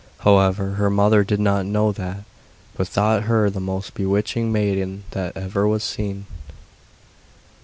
However, her mother did not know that, but thought her the most bewitching maiden that ever was seen.